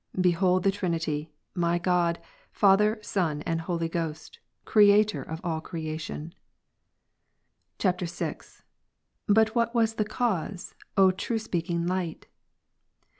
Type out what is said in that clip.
Behold the Trinity, my God B.XIII. ^^ Father, and Son, and Holy Ghost, Creator of all creation. [VI.] 7. But what was the cause, O true speaking Light?